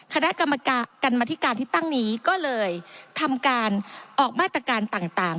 คณะกรรมการมาธิการที่ตั้งนี้ก็เลยทำการออกมาตรการต่าง